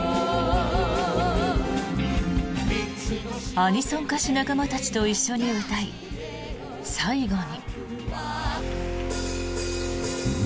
アニソン歌手仲間たちと一緒に歌い最後に。